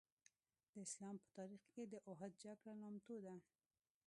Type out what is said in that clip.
د اسلام په تاریخ کې د اوحد جګړه نامتو ده.